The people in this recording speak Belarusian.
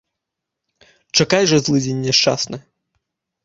Чакай жа, злыдзень няшчасны!